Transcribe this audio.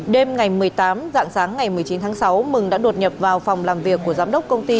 đêm ngày một mươi tám dạng sáng ngày một mươi chín tháng sáu mừng đã đột nhập vào phòng làm việc của giám đốc công ty